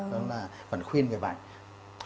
đó là phần khuyên người bệnh